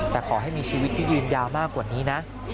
แต่ขอให้มีชีวิตที่ยืนยาวมากกว่านี้นะ